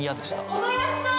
小林さん！